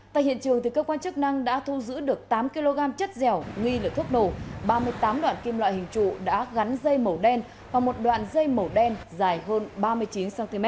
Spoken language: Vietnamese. tại hiện trường cơ quan chức năng đã thu giữ được tám kg chất dẻo nghi là thuốc nổ ba mươi tám đoạn kim loại hình trụ đã gắn dây màu đen và một đoạn dây màu đen dài hơn ba mươi chín cm